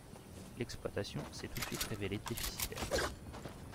L'exploitation s'est tout de suite révélée déficitaire.